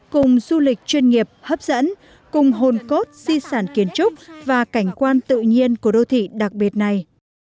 cùng du lịch chuyên nghiệp hấp dẫn cùng hồn cốt di sản kiến trúc và cảnh quan tự nhiên của đô thị đặc biệt này